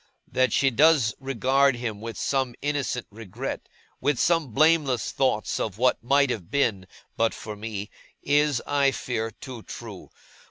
That she does regard him with some innocent regret, with some blameless thoughts of what might have been, but for me, is, I fear, too true.